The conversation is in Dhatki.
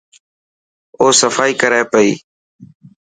او صفائي ڪري پئي.